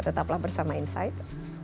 tetaplah bersama insight